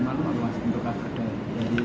malu maluas untuk rakyat dari